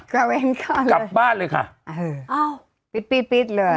กลัวเว้นก่อนกลับบ้านเลยค่ะอ้าวปิดปิดปิดเลยไม่ได้ครับ